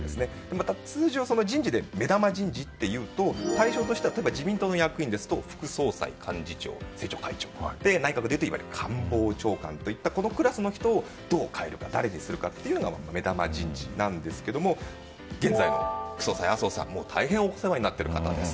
また通常、人事で目玉人事というと対象としては例えば自民党の役員ですと副総裁、幹事長、政調会長内閣で官房長官といわれるクラスの人をどう変えるか、誰にするかが目玉人事なんですが現在の副総裁、麻生さんは大変お世話になっている方です。